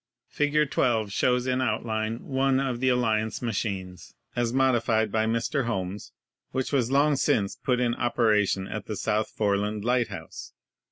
Fig. 12 shows in outline one of the Alli ance machines, as modified by Mr. Holmes, which was long since put in operation at the South Foreland light house.